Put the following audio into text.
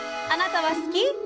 あなたは好き？